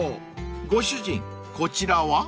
ご主人こちらは？］